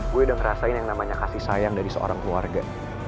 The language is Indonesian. gue udah ngerasain yang namanya kasih sayang dari seorang keluarga